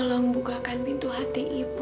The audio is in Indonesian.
tolong bukakan pintu hati ibu